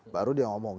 baru dia ngomong